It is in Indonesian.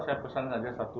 saya pesan saja satu